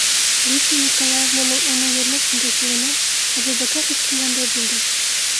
Лидия Николаевнаның уны йәлләп өндәшеүенән Әбүбәкер һиҫкәнгәндәй булды: